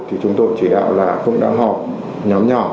thì chúng tôi chỉ đạo là cũng đã họp nhóm nhỏ